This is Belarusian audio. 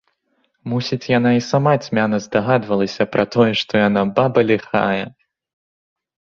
Мусіць, яна і сама цьмяна здагадвалася пра тое, што яна баба ліхая.